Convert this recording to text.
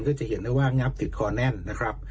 จะเห็นได้ว่างับติดคอแน่นนะครับ